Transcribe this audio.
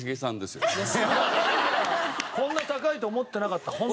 こんな高いと思ってなかったホントに。